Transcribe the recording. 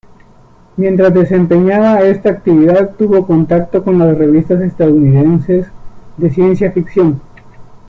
Mientras desempeñaba esta actividad tuvo contacto con las revistas estadounidenses de ciencia ficción.